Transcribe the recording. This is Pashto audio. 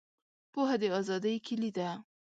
پوهه د آزادۍ کیلي ده.